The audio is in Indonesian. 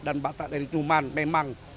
dan batak dari tuman memang